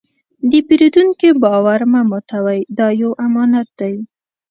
د پیرودونکي باور مه ماتوئ، دا یو امانت دی.